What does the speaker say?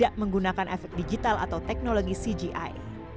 tidak menggunakan efek digital atau teknologi cgi